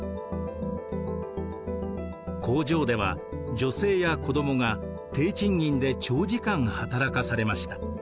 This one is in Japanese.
工場では女性や子どもが低賃金で長時間働かされました。